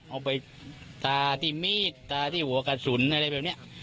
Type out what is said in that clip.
เอาไปตาที่มีดตาที่หัวกระสุนอะไรแบบนี้